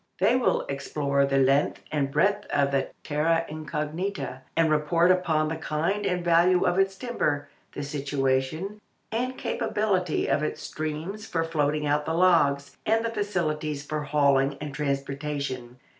They will explore the length and breadth of the terra incognita, and report upon the kind and value of its timber, the situation, and capability of its streams for floating out the logs, and the facilities for hauling and transportation.